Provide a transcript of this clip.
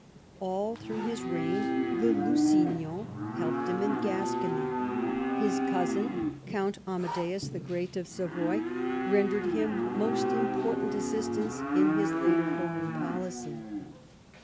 All through his reign, the Lusignans helped him in Gascony. His cousin. Count Amadeus the Great of Savoy, rendered him most important assistance in his later foreign policy.